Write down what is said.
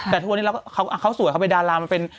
แต่ทุกวันนี้เขาสวยเขาเป็นดารามาเป็น